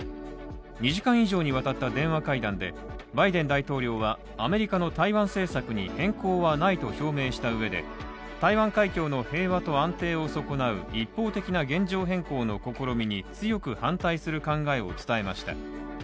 ２時間以上にわたった電話会談で、バイデン大統領はアメリカの台湾政策に変更はないと表明したうえで、台湾海峡の平和と安定を損なう一方的な現状変更の試みに強く反対する考えを伝えました。